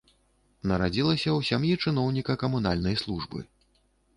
Нарадзілася ў сям'і чыноўніка камунальнай службы.